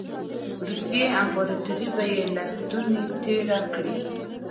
روسیې امپراطوري به یې له ستوني تېره کړي.